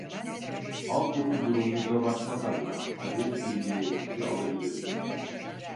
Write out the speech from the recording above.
Alt yapı durumunuza bakmak adına adres bilgilerinizi alabilir miyim?